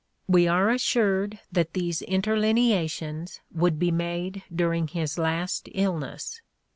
We are assured that these interlinea tions would be made during his last illness.